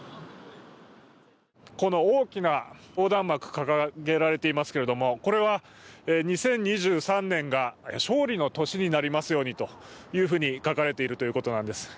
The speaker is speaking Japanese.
この大きな横断幕が掲げられていますけれども、これは２０２３年が勝利の年になりますようにと書かれているということなんです。